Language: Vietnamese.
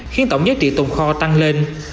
khiến tổng giá trị tồn kho tăng lên